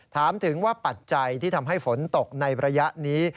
ถามถึงว่าปัจจัยที่ทำให้ฝนตกในระยะนี้